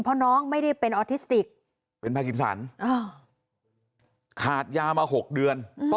เพราะน้องไม่ได้เป็นเป็นแพคสารอ่ะขาดยามาหกเดือนอืม